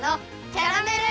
キャラメル！